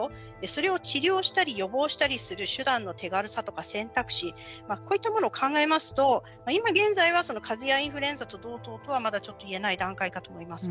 それを治療したり予防したりする手段の手軽さとか選択肢、こういったものを考えますと今現在はかぜやインフルエンザと同等とはまだちょっと言えない段階かと思います。